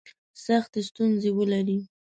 سختي ستونزي ولري.